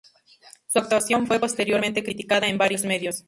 Su actuación fue posteriormente criticada en varios medios.